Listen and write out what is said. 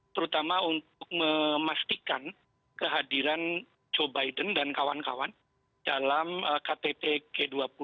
terutama untuk memastikan kehadiran joe biden dan kawan kawan dalam ktt g dua puluh